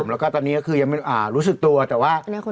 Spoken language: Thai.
แล้วก็ตอนนี้ก็คือยังไม่รู้สึกตัวแต่ว่า